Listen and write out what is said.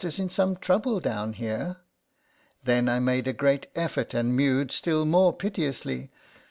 is in some trouble down here/' Then I made a great effort and mewed still more piteously.